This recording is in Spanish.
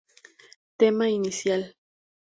Tema inicial